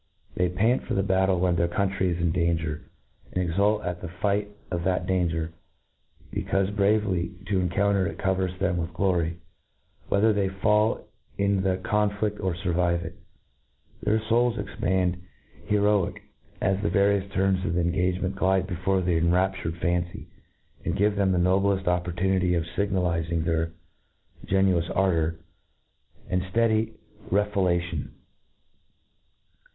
They pant for the batdc when their country is in danger, and exult at the the fight of that danger ^becaufe bravely to encounter it covers them with glory, whether they fall in the conflifkor furvivc it. Their fouls ,cxpand, heroic, as the various turns of the en gagement glide before their enraptured fancy, jind give them the nobleft opportunity of figna ' lizing their generous ardour, and fteady refola tion.